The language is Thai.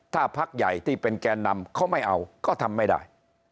ถ้าพักใหญ่ที่เป็นแกนนำเขาไม่เอาก็ทำไม่ได้